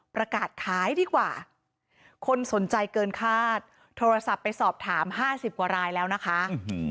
ประกาศขายดีกว่าคนสนใจเกินคาดโทรศัพท์ไปสอบถามห้าสิบกว่ารายแล้วนะคะ